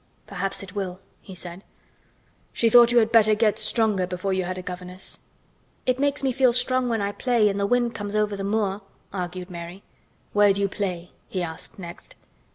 Perhaps it will," he said. "She thought you had better get stronger before you had a governess." "It makes me feel strong when I play and the wind comes over the moor," argued Mary. "Where do you play?" he asked next.